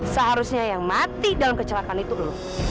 seharusnya yang mati dalam kecelakaan itu loh